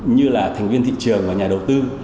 như là thành viên thị trường và nhà đầu tư